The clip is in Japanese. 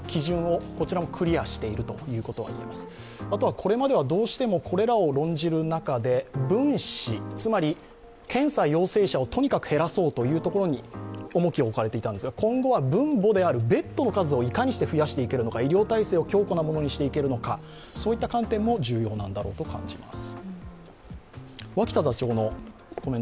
これまではどうしてもこれらを論じる中で、分子、検査陽性者をとにかく減らそうというところに重きが置かれていたんですが今後は分母であるベッドの数をいかにして増やしていけるのか、医療体制を強固なものにしていけるのかといった観点も重要なんだろうと感じます。